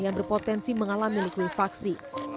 yang berpotensi mengalami likuifaksi